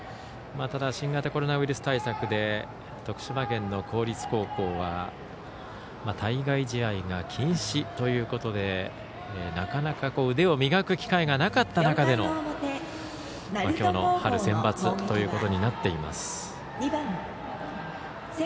ただ、新型コロナウイルス対策で徳島県の公立高校は対外試合が禁止ということでなかなか腕を磨く機会がなかった中でのきょうの春センバツということになっています。